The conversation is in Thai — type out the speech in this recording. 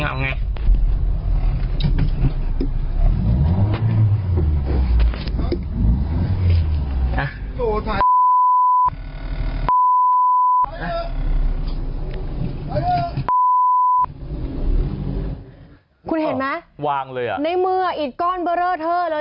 ในมือหัวของจากการถูกมอเตอร์ไซค์เลย